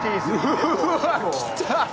うわっきた！